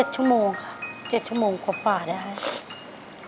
ชั่วโมงค่ะ๗ชั่วโมงกว่าได้ค่ะ